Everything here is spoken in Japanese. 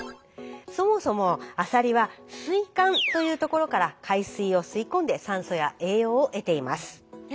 そもそもアサリは水管というところから海水を吸い込んで酸素や栄養を得ています。